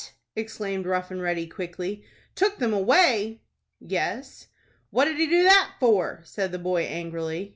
_" exclaimed Rough and Ready, quickly. "Took them away?" "Yes." "What did he do that for?" said the boy, angrily.